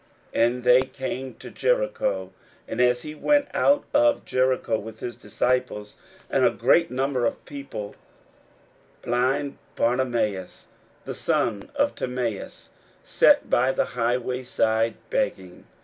41:010:046 And they came to Jericho: and as he went out of Jericho with his disciples and a great number of people, blind Bartimaeus, the son of Timaeus, sat by the highway side begging.